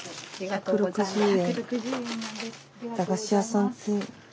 １６０円。